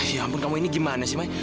ya ampun kamu ini gimana sih mai